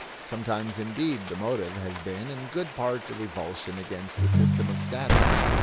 Sometimes, indeed, the motive has been in good part a revulsion against a system of status.